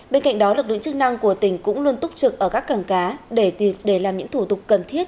bên cạnh đó lực lượng chức năng của tỉnh cũng luôn túc trực ở các cảng cá để làm những thủ tục cần thiết